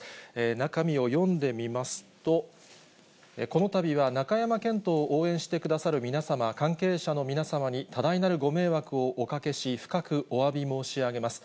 中身を読んでみますと、このたびは永山絢斗を応援してくださる皆様、関係者の皆様に多大なるご迷惑をおかけし、深くおわび申し上げます。